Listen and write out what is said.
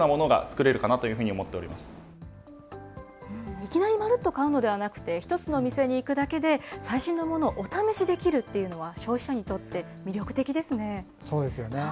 いきなりまるっと買うのではなくて、１つの店に行くだけで、最新のものをお試しできるっていうのは、消費者にとって魅力的でそうですよね。